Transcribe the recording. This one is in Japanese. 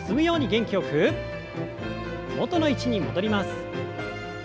元の位置に戻ります。